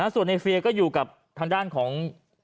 ส่วนในเฟียก็อยู่กับทางด้านของ